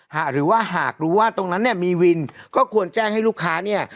หรือว่าหากรู้ว่าตรงนั้นเนี่ยมีวินก็ควรแจ้งให้ลูกค้าเนี่ย